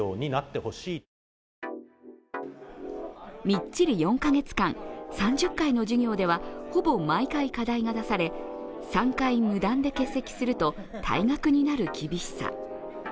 みっちり４カ月間、３０回の授業ではほぼ毎回、課題が出され、３回無断で欠席すると退学になる厳しさ。